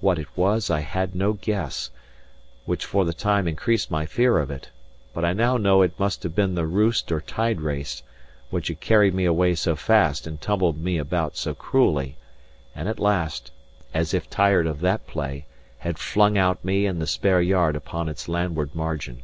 What it was I had no guess, which for the time increased my fear of it; but I now know it must have been the roost or tide race, which had carried me away so fast and tumbled me about so cruelly, and at last, as if tired of that play, had flung out me and the spare yard upon its landward margin.